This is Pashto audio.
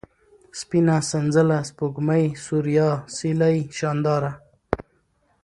سپينه ، سنځله ، سپوږمۍ ، سوریا ، سېلۍ ، شانداره